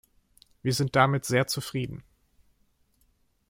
Wir sind damit sehr zufrieden.